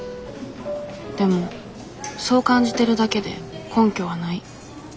でもそう感じてるだけで根拠はない。